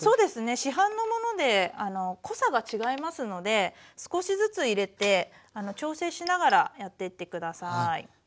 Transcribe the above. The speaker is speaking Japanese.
市販のもので濃さが違いますので少しずつ入れて調整しながらやってって下さい。